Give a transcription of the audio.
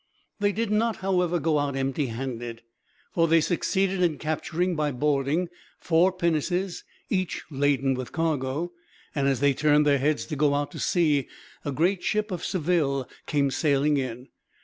They did not, however, go out empty handed; for they succeeded in capturing, by boarding, four pinnaces, each laden with cargo; and as they turned their heads to go out to sea, a great ship of Seville came sailing in.